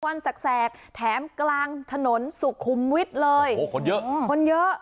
แสกแถมกลางถนนสุขุมวิทย์เลยโอ้โหคนเยอะคนเยอะ